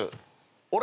あれ？